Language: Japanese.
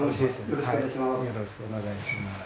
よろしくお願いします。